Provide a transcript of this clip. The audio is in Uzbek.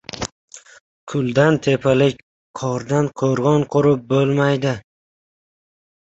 • Kuldan tepalik, qordan qo‘rg‘on qurib bo‘lmaydi.